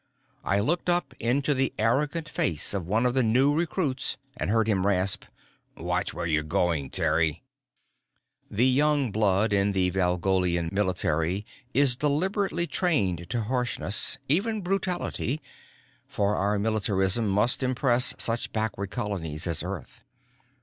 I looked up into the arrogant face of one of the new recruits and heard him rasp, "Watch where you're going, Terrie!" The young blood in the Valgolian military is deliberately trained to harshness, even brutality, for our militarism must impress such backward colonies as Earth.